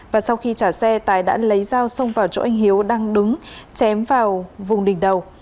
và sau khi trả xe tài đã lấy dao xông vào chỗ anh hiếu đang đứng chém vào vùng đỉnh đầu